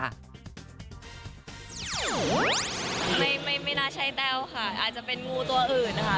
ไม่น่าใช่แต้วค่ะอาจจะเป็นงูตัวอื่นนะคะ